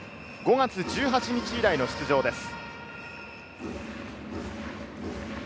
５月１８日以来の出場です。